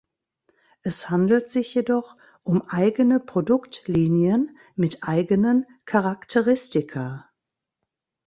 Es handelt sich jedoch um eigene Produktlinien mit eigenen Charakteristika.